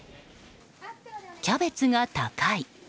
キャベツが高い。